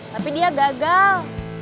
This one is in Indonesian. tapi dia gagal